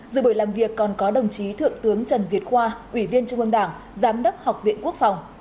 dự buổi làm việc còn có đồng chí thượng tướng trần việt khoa ủy viên trung ương đảng giám đốc học viện quốc phòng